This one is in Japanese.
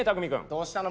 どうしたの？